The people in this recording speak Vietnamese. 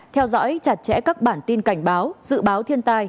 theo dõi chặt chẽ các bản tin cảnh báo dự báo thiên tai